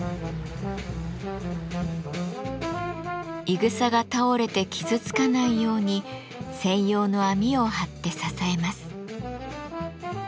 いぐさが倒れて傷つかないように専用の網を張って支えます。